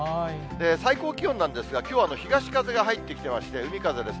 最高気温なんですが、きょうは東風が入ってきてまして、海風です。